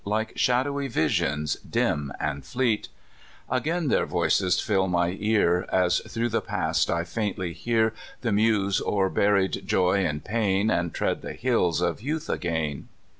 Like shadowy visions dim and fleet Again their voices fill my ear, As through the past I faintly hear And muse o'er buried joy and pain. And tread the hills of youth again.